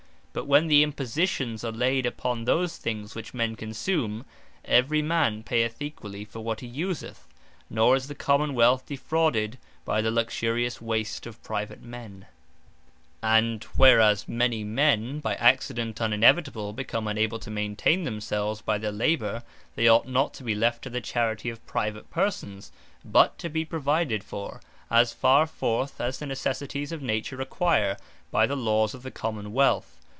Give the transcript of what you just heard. But when the Impositions, are layd upon those things which men consume, every man payeth Equally for what he useth: Nor is the Common wealth defrauded, by the luxurious waste of private men. Publique Charity And whereas many men, by accident unevitable, become unable to maintain themselves by their labour; they ought not to be left to the Charity of private persons; but to be provided for, (as far forth as the necessities of Nature require,) by the Lawes of the Common wealth.